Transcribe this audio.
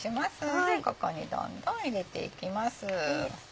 ここにどんどん入れていきます。